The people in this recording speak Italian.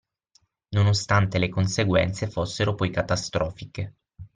Nonostante le conseguenze fossero poi catastrofiche.